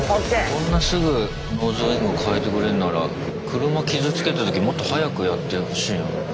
こんなすぐノーズウィング換えてくれるんなら車傷つけた時もっと早くやってほしいよね。